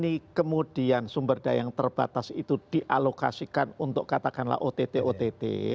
ini kemudian sumber daya yang terbatas itu dialokasikan untuk katakanlah ott ott